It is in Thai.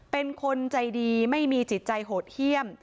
เป็นคนใจดีไม่มีจิตใจโหดเยี่ยม